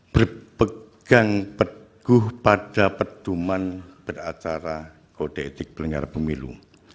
berpegang peduh pada peduman beracara kode etik pelenggar pemilu